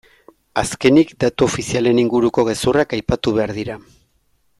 Azkenik, datu ofizialen inguruko gezurrak aipatu behar dira.